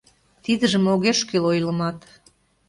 Тидыжым огеш кӱл ойлымат.